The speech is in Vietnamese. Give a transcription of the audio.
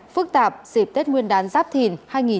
phức tạp dịp tết nguyên đán giáp thìn hai nghìn hai mươi bốn